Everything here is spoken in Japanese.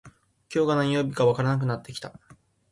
今日が何曜日かわからなくなってきた